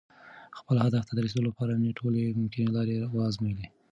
خپل هدف ته د رسېدو لپاره مې ټولې ممکنې لارې وازمویلې.